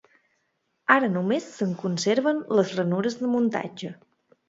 Ara només se'n conserven les ranures de muntatge.